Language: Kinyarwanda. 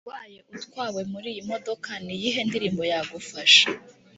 Ubaye utwawe muriyi modoka niyihe ndirimbo yagufasha